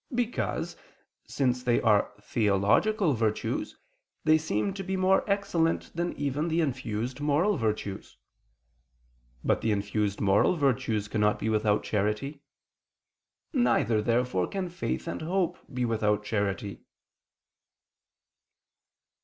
Because, since they are theological virtues, they seem to be more excellent than even the infused moral virtues. But the infused moral virtues cannot be without charity. Neither therefore can faith and hope be without charity.